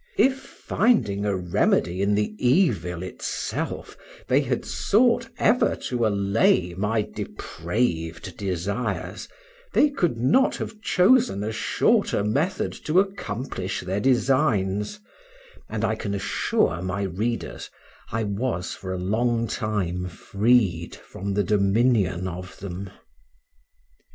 If finding a remedy in the evil itself, they had sought ever to allay my depraved desires, they could not have chosen a shorter method to accomplish their designs, and, I can assure my readers, I was for a long time freed from the dominion of them.